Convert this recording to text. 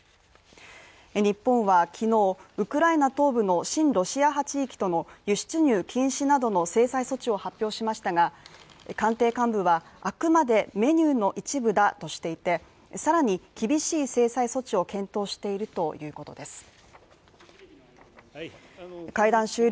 日本は昨日、ウクライナ東部の親ロシア派地域との輸出入禁止などの制裁措置を発表しましたが、官邸幹部はあくまでメニューの一部だとしていて更に厳しい制裁措置を検討しているということです。